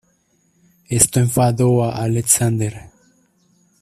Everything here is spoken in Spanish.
Esto enfadó a Alexander.